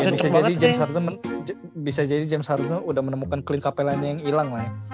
bisa jadi james harden udah menemukan klien kapelannya yang ilang lah ya